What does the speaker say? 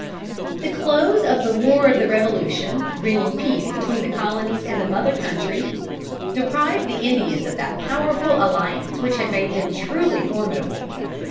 The close of the war of the Revolution, bringing peace between the colonies and the mother country, deprived the Indians of that powerful alliance which had made them truly formidable.